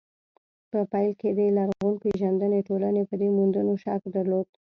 په پيل کې د لرغونپېژندنې ټولنې په دې موندنو شک درلود.